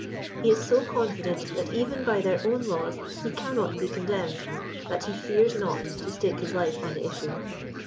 He is so confident that even by their own laws he cannot be condemned, that he fears not to stake his life on the ii<s(ue.